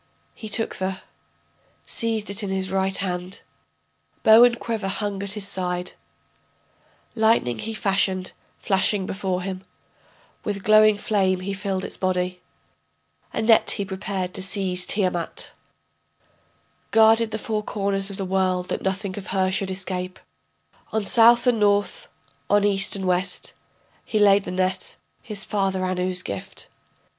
He took the ... seized it in his right hand, Bow and quiver hung at his side, Lightning he fashioned flashing before him, With glowing flame he filled its body, A net he prepared to seize Tiamat, Guarded the four corners of the world that nothing of her should escape, On South and North, on East and West He laid the net, his father Anu's gift.